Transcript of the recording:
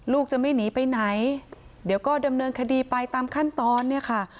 ลูกจะไม่หนีไปไหนเดี๋ยวก็ดำเนินคดีไปตามขั้นตอนเนี่ยค่ะ